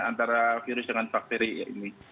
antara virus dengan bakteri ini